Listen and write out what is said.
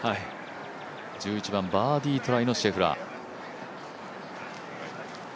１１番、バーディートライのシェフラー。